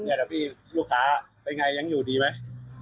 ชัดพี่ลูกค้ายังยีกอยู่ดีไหม